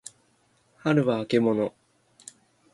はるはあけぼの